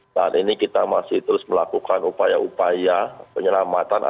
nah ini kita masih terus melakukan upaya upaya penyelamatan